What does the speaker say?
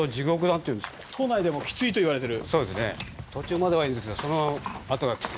島内でもきついといわれてる。